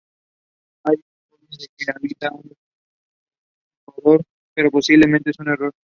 Hay un informe de que habita en Ecuador, pero posiblemente es un error.